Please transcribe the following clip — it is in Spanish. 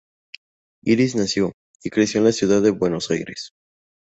Iris nació y creció en la ciudad de Buenos Aires.